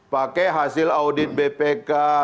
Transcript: pakai hasil audit bpk